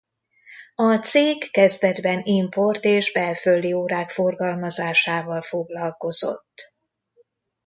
A cég kezdetben import és belföldi órák forgalmazásával foglalkozott.